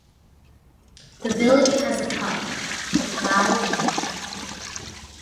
The village has a pub, the Plough Inn.